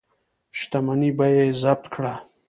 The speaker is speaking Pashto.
شتمني به یې ضبط کړه.